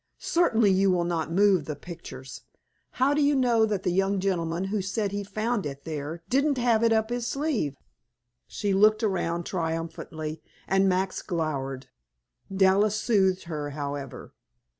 Certainly you will not move the pictures. How do you know that the young gentleman who said he found it there didn't have it up his sleeve?" She looked around triumphantly, and Max glowered. Dallas soothed her, however.